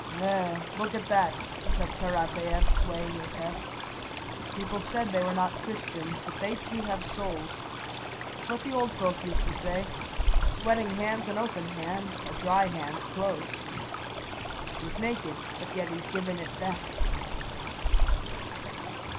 "There, look at that," said Karatáev, swaying his head. "People said they were not Christians, but they too have souls. It's what the old folk used to say: 'A sweating hand's an open hand, a dry hand's close.' He's naked, but yet he's given it back."